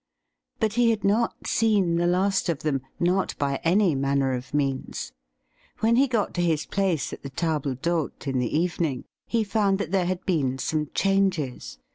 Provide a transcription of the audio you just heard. But he had not seen the last of them — not by any manner of means. When he got to his place at the table di'Mte in the evening, he found that there had been some changes.